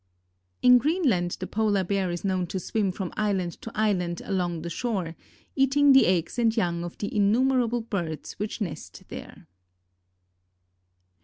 In Greenland the Polar Bear is known to swim from island to island along the shore, eating the eggs and young of the innumerable birds which nest there.